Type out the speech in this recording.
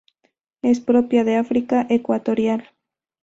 Es propia de África ecuatorial.